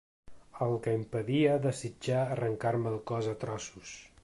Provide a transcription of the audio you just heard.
El que impedia desitjar arrencar-me el cos a trossos.